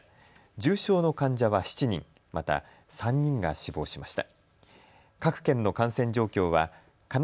重症の患者は７人、また３人が死亡しました。